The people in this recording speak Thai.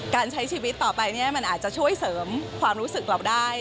การใช้ชีวิตต่อไปเนี่ยมันอาจจะช่วยเสริมความรู้สึกเราได้